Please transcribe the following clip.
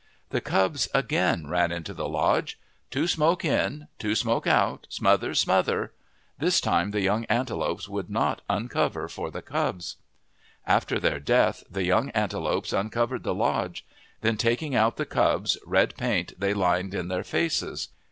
The cubs again ran into the lodge. " Two smoke in, two smoke out, ... smother, smother !' This time the young antelopes would not uncover for the cubs. After their death the young antelopes uncovered the lodge. Then taking out the cubs, red paint they lined in their faces.